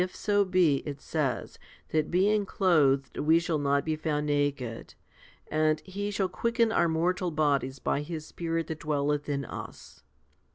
so be, it says, that being clothed we shall not be found naked, 2 and He shall quicken our mortal bodies by His Spirit that dwelleth in us.